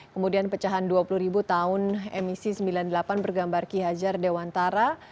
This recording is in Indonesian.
kemudian pecahan rp dua puluh tahun emisi seribu sembilan ratus sembilan puluh delapan bergambar ki hajar dewantara